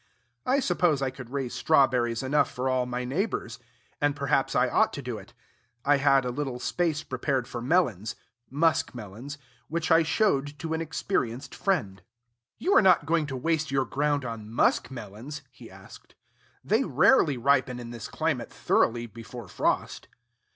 I suppose I could raise strawberries enough for all my neighbors; and perhaps I ought to do it. I had a little space prepared for melons, muskmelons, which I showed to an experienced friend. "You are not going to waste your ground on muskmelons?" he asked. "They rarely ripen in this climate thoroughly, before frost."